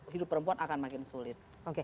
hidup perempuan akan makin sulit